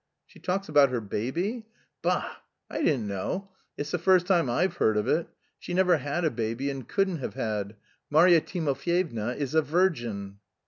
"She talks about her baby? Bah! I didn't know. It's the first time I've heard of it. She never had a baby and couldn't have had: Marya Timofyevna is a virgin."